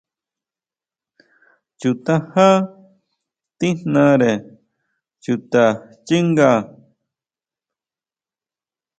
Chu tajá tíjnare chuta xchínga.